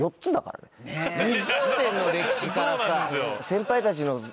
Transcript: ２０年の歴史からさ。